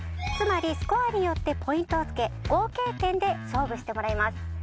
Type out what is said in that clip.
つまりスコアによってポイントをつけ合計点で勝負してもらいます。